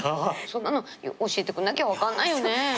そんなの教えてくんなきゃ分かんないよね。